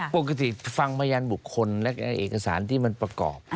ปกติฟังพยานบุคคลและเอกสารที่มันประกอบ